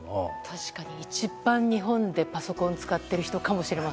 確かに一番日本でパソコン使っている人かもしれない。